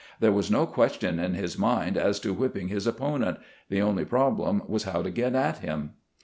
There was no question in his mind as to whipping his opponent; the only problem was how to get at him.